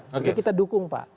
jadi kita dukung pak